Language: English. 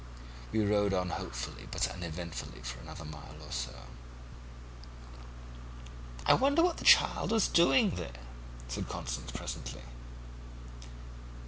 We rode on hopefully but uneventfully for another mile or so. "'I wonder what that child was doing there,' said Constance presently.